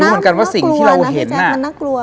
มันน่ากลัวมันน่ากลัว